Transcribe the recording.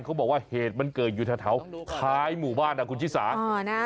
เขาบอกว่าเหตุมันเกิดอยู่แถวท้ายหมู่บ้านอ่ะคุณชิสานะ